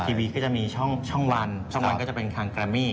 ทีวีก็จะมีช่องวันช่องวันก็จะเป็นคางแกรมมี่